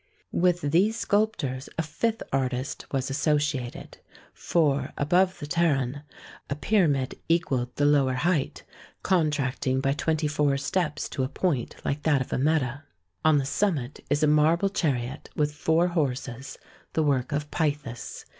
With these sculptors a fifth artist was associated. For, above the Pteron, a pyramid equalled the lower height, contracting by twenty four steps to a point like that of a meta. On the summit is a marble chariot with four horses, the work of Pythis.